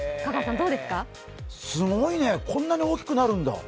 すごいね、こんなに大きくなるんだ。